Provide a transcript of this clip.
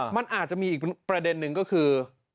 มันอาจจะมีอีกประเด็นหนึ่งก็คือ